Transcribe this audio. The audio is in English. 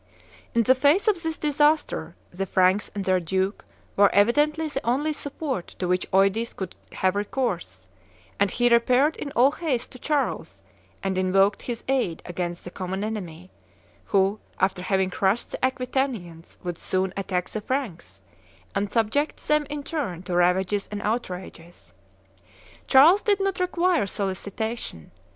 In the face of this disaster, the Franks and their duke were evidently the only support to which Eudes could have recourse; and he repaired in all haste to Charles and invoked his aid against the common enemy, who, after having crushed the Aquitanians, would soon attack the Franks, and subject them in turn to ravages and outrages. Charles did not require solicitation.